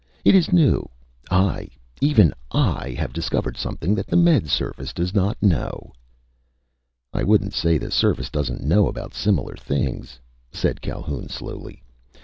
"It is new! I ... even I!... have discovered something that the Med Service does not know!" "I wouldn't say the Service doesn't know about similar things," said Calhoun slowly.